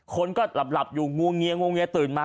คนก็หลับอยู่งวงเงียตื่นมา